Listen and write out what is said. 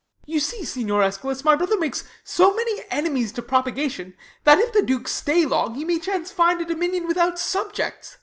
Ben. You see, Signior Eschalus, my brother makes So many enemies to propagation. That if the Duke stay long, he may chance find A dominion Avithout subjects. Luc.